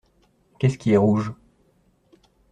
Qu’est-ce qui est rouge ?